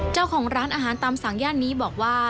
เจ้าของร้านอาหารตามสั่งย่านนี้บอกว่า